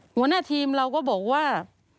หัวหน้าทีมเราก็บอกว่า